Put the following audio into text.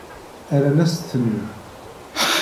Rran-as-ten-id.